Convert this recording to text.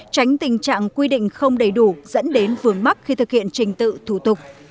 tránh tình trạng quy định không đầy đủ dẫn đến vương mắc khi thực hiện trình tự thủ tục